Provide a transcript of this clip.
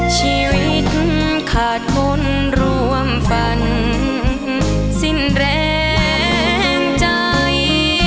ชีวิตขาดคนร่วมฝันสิ้นแรงใจ